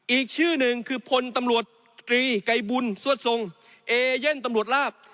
อีกชื่อหนึ่งคือพลตำรวจตรีไกรบุญสวดทรงเอเย่นตำรวจลาบ